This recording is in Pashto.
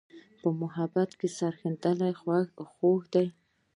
په محبت کې سر شیندل خوږ دي.